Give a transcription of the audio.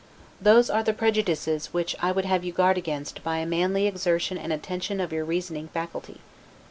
Those are the prejudices which I would have you guard against by a manly exertion and attention of your reasoning faculty.